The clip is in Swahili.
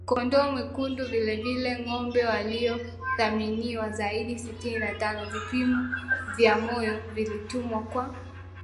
kondoo mwekundu vilevile ngombe waliothaminiwa zaidi Sitini na tano Vipimo vya moyo vilitumiwa kwa